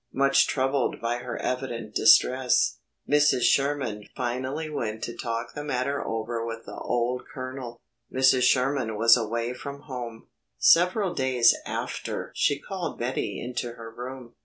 Much troubled by her evident distress, Mrs. Sherman finally went to talk the matter over with the old Colonel. Mr. Sherman was away from home. Several days after she called Betty into her room.